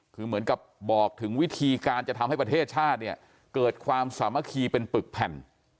คือเหมือนกับบอกถึงวิธีการจะทำให้ประเทศชาติเนี่ยเกิดความสามัคคีเป็นปึกแผ่น